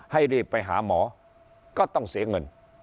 รีบไปหาหมอก็ต้องเสียเงิน